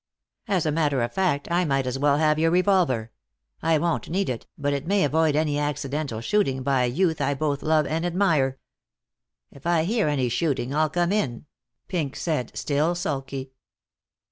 As a matter of fact, I might as well have your revolver. I won't need it, but it may avoid any accidental shooting by a youth I both love and admire!" "If I hear any shooting, I'll come in," Pink said, still sulky.